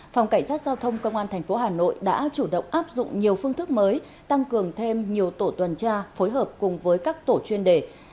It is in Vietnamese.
phòng cảnh sát giao thông công an tp hà nội đã chủ động áp dụng nhiều phương thức mới tăng cường thêm nhiều tổ tuần tra phối hợp cùng với các tổ chuyên đề